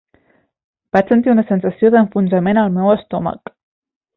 Vaig sentir una sensació d"enfonsament al meu estomac.